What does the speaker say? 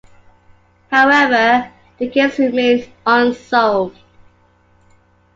However, the case remains unsolved.